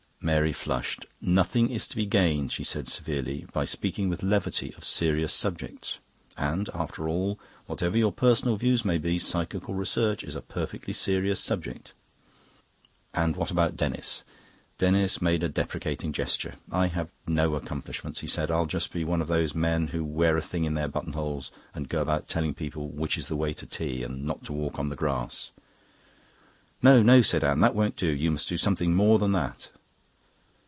Mary flushed. "Nothing is to be gained," she said severely, "by speaking with levity of serious subjects. And, after all, whatever your personal views may be, psychical research is a perfectly serious subject." "And what about Denis?" Denis made a deprecating gesture. "I have no accomplishments," he said, "I'll just be one of those men who wear a thing in their buttonholes and go about telling people which is the way to tea and not to walk on the grass." "No, no," said Anne. "That won't do. You must do something more than that."